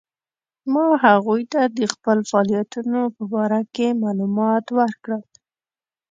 ما هغوی ته د خپلو فعالیتونو په باره کې معلومات ورکړل.